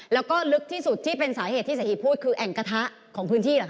แล้วก็ลึกที่สุดที่เป็นสาเหตุที่เศรษฐีพูดคือแอ่งกระทะของพื้นที่เหรอค